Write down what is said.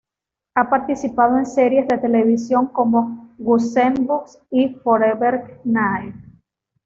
Ha participado en series de televisión como Goosebumps y Forever Knight.